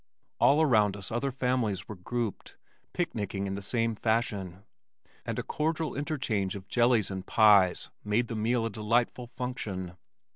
All around us other families were grouped, picnicking in the same fashion, and a cordial interchange of jellies and pies made the meal a delightful function.